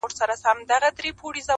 په سلو وهلی ښه دئ، نه په يوه پړ.